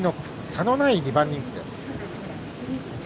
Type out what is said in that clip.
差のない２番人気です。